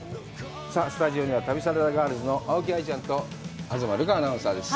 さあ、スタジオには旅サラダガールズの青木愛ちゃんと、東留伽アナウンサーです。